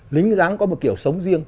lính dáng có một kiểu sống riêng